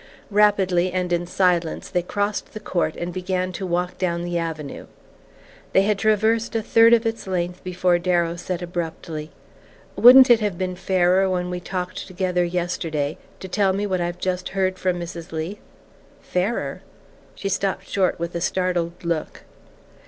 Rapidly and in silence they crossed the court and began to walk down the avenue. They had traversed a third of its length before Darrow said abruptly: "Wouldn't it have been fairer, when we talked together yesterday, to tell me what I've just heard from Mrs. Leath?" "Fairer ?" She stopped short with a startled look.